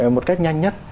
một cách nhanh nhất